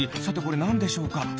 さてこれなんでしょうか？